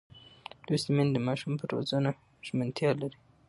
لوستې میندې د ماشوم پر روزنه ژمنتیا لري.